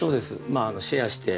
まあシェアして。